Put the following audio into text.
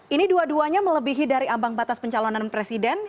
ini dua duanya melebihi dari ambang batas pencalonan presiden